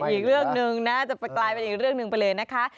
อีกเรื่องหนึ่งนะจะกลายเป็นอีกเรื่องหนึ่งไปเลยนะคะ